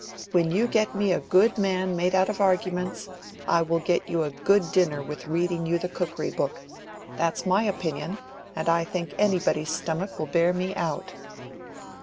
When you get me a good man made out of arguments, I will get you a good dinner with reading you the cookery book. That's my opinion, and I think anybody's stomach will bear me out."